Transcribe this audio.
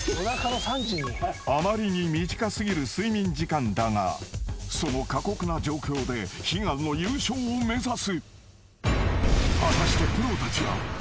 ［あまりに短過ぎる睡眠時間だがその過酷な状況で悲願の優勝を目指す］